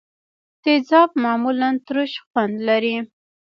تیزاب معمولا ترش خوند لري.